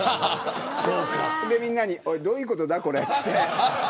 それでみんなにおいどういうことだって言って。